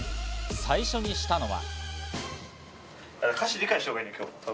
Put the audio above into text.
最初にしたのは。